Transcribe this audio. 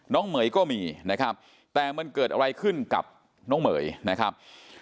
เหมยก็มีนะครับแต่มันเกิดอะไรขึ้นกับน้องเหม๋ยนะครับ